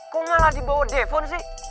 kok malah dibawa defon sih